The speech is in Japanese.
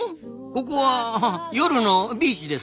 ここは夜のビーチですか？